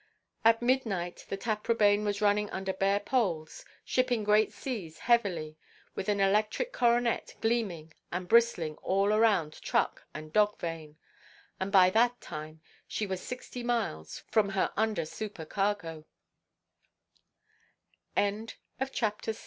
At midnight the Taprobane was running under bare poles, shipping great seas heavily, with an electric coronet gleaming and bristling all around truck and dog–vane. And by that time she was sixty miles from her under–supercargo. CHAPTER VII.